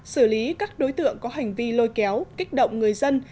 xử lý các đối tượng có hành vi lôi kéo kích động người dân